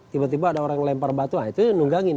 tiba tiba ada orang yang lempar batu nah itu yang nunggangin itu